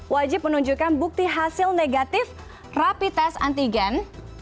wajib menunjukkan bukti hasil negatif rapi tes antigen